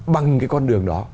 bằng cái con đường đó